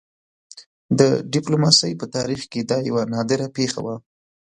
د ډيپلوماسۍ په تاریخ کې دا یوه نادره پېښه وه.